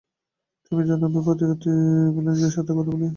তুমি জানো, আমি প্রতি রাতে ইভ্যাঞ্জেলিনের সাথে কথা বলি।